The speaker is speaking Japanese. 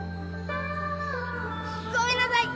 ごめんなさい！